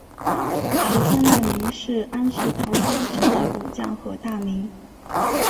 石川赖明是安土桃山时代武将和大名。